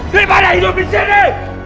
daripada hidup disini